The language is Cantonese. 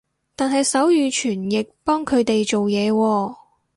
但係手語傳譯幫佢哋做嘢喎